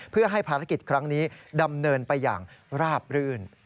เพื่อให้ภารกิจครั้งนี้ดำเนินไปอย่างราบรื่น